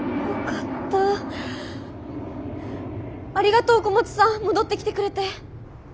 ありがとう小松さん戻ってきてくれて。